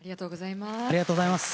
ありがとうございます。